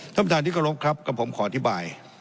ท่านประธานที่เคารพครับกับผมขออธิบาย